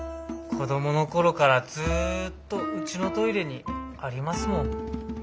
子どもの頃からずっとうちのトイレにありますもん。